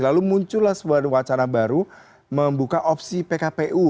lalu muncullah sebuah wacana baru membuka opsi pkpu